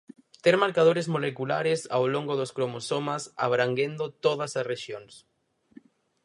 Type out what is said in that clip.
Ter marcadores moleculares ao longo dos cromosomas, abranguendo todas as rexións.